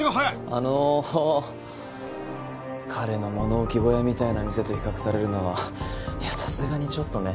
あの彼の物置小屋みたいな店と比較されるのはさすがにちょっとね。